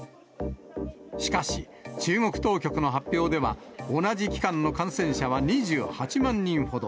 しかし、中国当局の発表では、同じ期間の感染者は２８万人ほど。